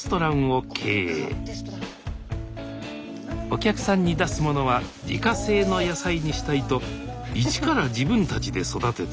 お客さんに出すものは自家製の野菜にしたいと一から自分たちで育てています